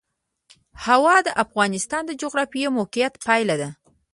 هوا د افغانستان د جغرافیایي موقیعت پایله ده.